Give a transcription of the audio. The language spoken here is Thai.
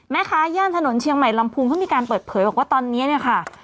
ย่านถนนเชียงใหม่ลำพูงเขามีการเปิดเผยบอกว่าตอนนี้เนี่ยค่ะ